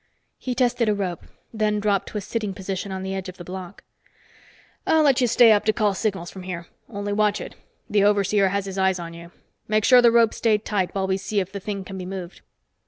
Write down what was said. He tested a rope, then dropped to a sitting position on the edge of the block. "I'll let you stay up to call signals from here. Only watch it. That overseer has his eyes on you. Make sure the ropes stay tight while we see if the thing can be moved."